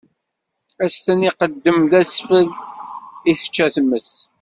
Ad s-ten-iqeddem d asfel i tečča tmes.